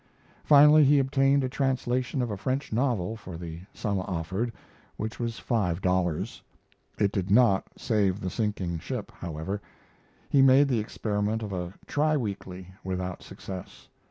Finally he obtained a translation of a French novel for the sum offered, which was five dollars. It did not save the sinking ship, however. He made the experiment of a tri weekly, without success.